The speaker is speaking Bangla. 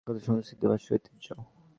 কতো সংষ্কৃতি, ভাষা, ঐতিহ্য!